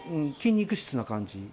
筋肉質な感じ。